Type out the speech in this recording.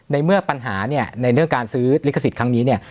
ในเมื่อปัญหาเนี่ยในเรื่องการซื้อลิขสิทธิ์ครั้งนี้เนี่ย